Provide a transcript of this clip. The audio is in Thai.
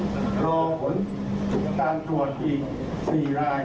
และที่อาจจะแปลกออกไปโดยที่ไม่รู้ตัวในจำนวนเท่าไหร่ก็ไม่สร้าง